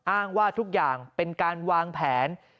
อ้างว่าทุกอย่างเป็นการวางแผน